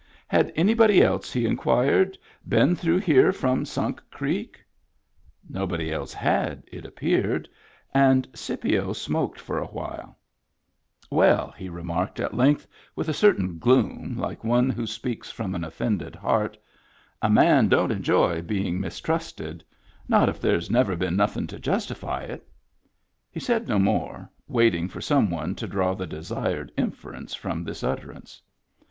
Had anybody else, he inquired, been through here from Sunk Creek? Nobody else had, it appeared; and Scipio smoked for a while. Digitized by Google 74 MEMBERS OF THE FAMILY " Well," he remarked at length, with a certain gloom, like one who speaks from an offended heart, "a man don't enjoy bein' mistrusted. Not if there's never been nothing to justify it" He said no more, waiting for some one to draw the desired inference from this utterance.